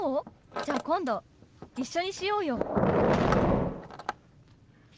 じゃ今度一緒にしようよ。